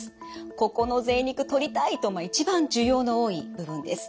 「ここのぜい肉とりたい」と一番需要の多い部分です。